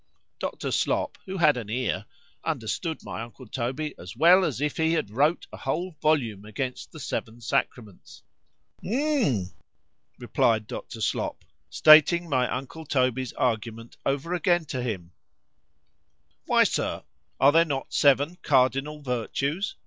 _ Dr. Slop, who had an ear, understood my uncle Toby as well as if he had wrote a whole volume against the seven sacraments.——Humph! replied Dr. Slop, (stating my uncle Toby's argument over again to him)——Why, Sir, are there not seven cardinal virtues?